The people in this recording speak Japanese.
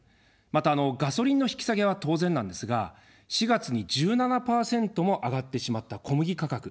また、ガソリンの引き下げは当然なんですが、４月に１７％も上がってしまった小麦価格。